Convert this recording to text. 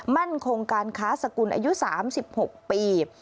มั่นคงการค้าสกุลอายุ๓๖ปี